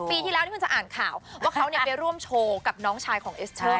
ปีที่แล้วนี่คุณจะอ่านข่าวว่าเขาเนี่ยไปร่วมโชว์กับน้องชายของเอสเทอร์มา